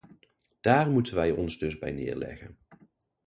Daar moeten wij ons dus bij neerleggen.